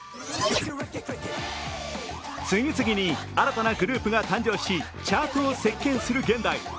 次々に新たなグループが誕生し、チャートを席巻する現代。